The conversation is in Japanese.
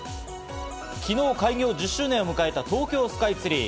昨日、開業１０周年迎えた東京スカイツリー。